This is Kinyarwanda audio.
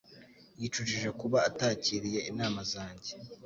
Yicujije kuba atakiriye inama zanjye.